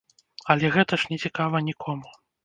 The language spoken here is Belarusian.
Але гэта ж нецікава нікому.